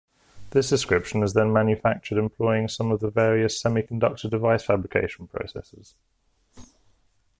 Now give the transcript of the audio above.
This description is then manufactured employing some of the various semiconductor device fabrication processes.